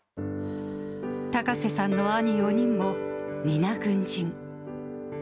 高瀬さんの兄４人も、皆軍人。